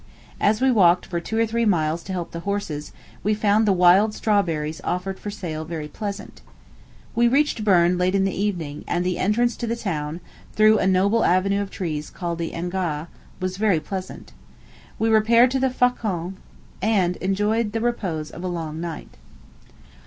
As we walked for two or three miles to help the horses, we found the wild strawberries offered for sale very pleasant. We reached Berne late in the evening; and the entrance to the town, through a noble avenue of trees called the Engæ, was very pleasant. We repaired to the Faucon, and enjoyed the repose of a long night.